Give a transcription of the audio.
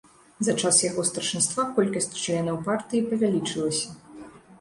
За час яго старшынства колькасць членаў партыі павялічылася.